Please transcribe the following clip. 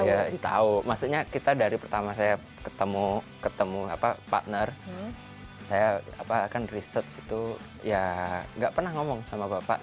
ya tahu maksudnya kita dari pertama saya ketemu partner saya akan research itu ya nggak pernah ngomong sama bapak